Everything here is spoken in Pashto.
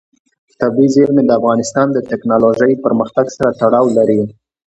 طبیعي زیرمې د افغانستان د تکنالوژۍ پرمختګ سره تړاو لري.